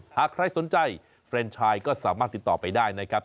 หากใครสนใจเฟรนชายก็สามารถติดต่อไปได้นะครับ